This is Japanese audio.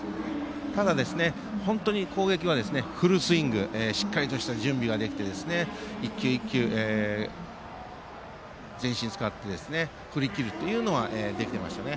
ただ、本当に攻撃はフルスイングしっかりとした準備ができて１球１球全身を使って振り切るというのはできていましたね。